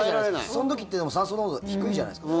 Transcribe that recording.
その時って、でも酸素濃度低いじゃないですか。